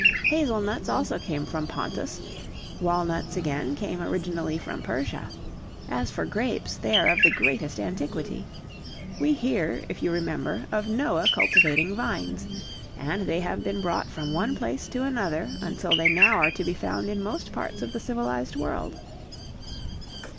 Hazelnuts also came from Pontus; walnuts, again, came originally from Persia. As for grapes, they are of the greatest antiquity. We hear, if you remember, of Noah cultivating vines, and they have been brought from one place to another until they now are to be found in most parts of the civilized world."